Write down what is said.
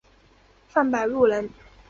范百禄人。